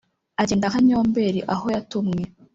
Agenda nka nyomberi aho yatumwe